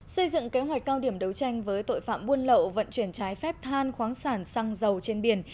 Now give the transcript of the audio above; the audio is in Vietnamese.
xây dựng kế hoạch cao điểm đấu tranh với tội phạm buôn lậu vận chuyển trái phép than khoáng sản xăng dầu trên biển